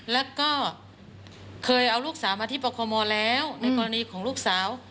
แล้วก็เคยเอาลูกสาวมาที่ปคมแล้วในกรณีของลูกสาว